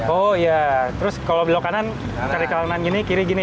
oh iya terus kalau belok kanan cari ke kanan gini kiri gini ya